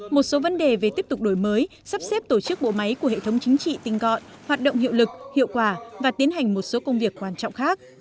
một số vấn đề về tiếp tục đổi mới sắp xếp tổ chức bộ máy của hệ thống chính trị tinh gọn hoạt động hiệu lực hiệu quả và tiến hành một số công việc quan trọng khác